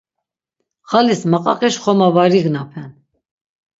Ğalis maqaqiş xoma var ignapen.